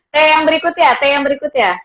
t yang berikut ya t yang berikut ya